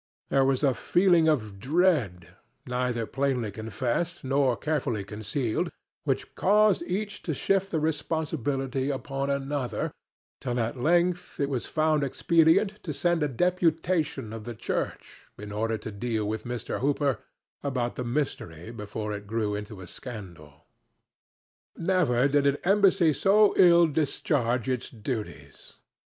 There was a feeling of dread, neither plainly confessed nor carefully concealed, which caused each to shift the responsibility upon another, till at length it was found expedient to send a deputation of the church, in order to deal with Mr. Hooper about the mystery before it should grow into a scandal. Never did an embassy so ill discharge its duties.